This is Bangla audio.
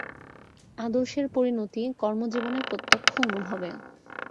আদর্শের পরিণতি কর্মজীবনের প্রত্যক্ষ অনুভবে।